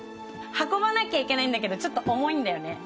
運ばなきゃいけないんだけどちょっと重いんだよね